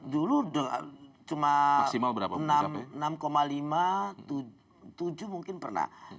dulu cuma enam lima tujuh mungkin pernah